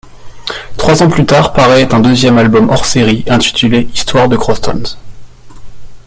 Trois ans plus tard parait un deuxième album hors-série intitulé Histoire de Krostons.